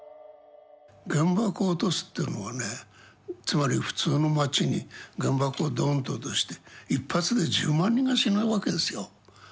原爆を落とすというのはねつまり普通の町に原爆をドーンと落として一発で１０万人が死ぬわけですよ。